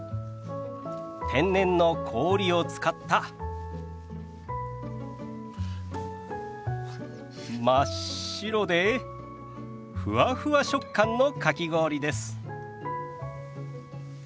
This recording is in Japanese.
天然の氷を使った真っ白でふわふわ食感のかき氷です。